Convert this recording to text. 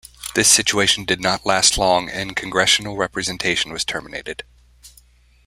This situation did not last long and congressional representation was terminated.